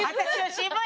渋い！